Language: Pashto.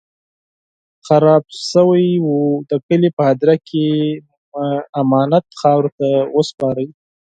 خراب شوی و، د کلي په هديره کې مو امانت خاورو ته وسپاره.